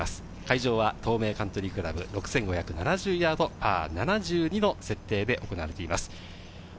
会場は東名カントリークラブ６５７０ヤード、パー７２の設定で行われています。